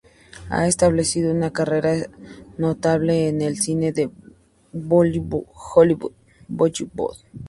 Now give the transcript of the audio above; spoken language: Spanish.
Ha establecido una carrera notable en el cine de Bollywood.